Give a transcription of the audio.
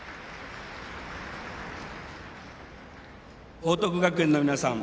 報徳学園の皆さん